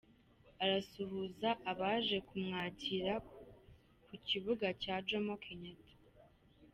Arasuhuza abaje kumwakira ku kibuga cya Jomo Kenyatta.